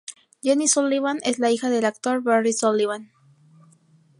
Jenny Sullivan es la hija del actor Barry Sullivan.